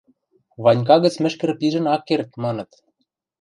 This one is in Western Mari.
Ванька гӹц мӹшкӹр пижӹн ак керд, маныт...